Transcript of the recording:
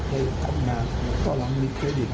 ได้ทำนานก็ล้างมีเครดิต